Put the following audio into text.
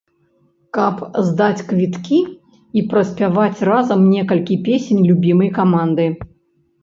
Каб здаць квіткі і праспяваць разам некалькі песень любімай каманды.